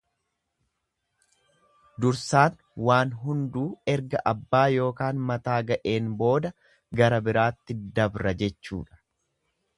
Dursaan waan hunduu erga abbaa ykn mataa ga'een booda gara biraatti dabra jechuudha.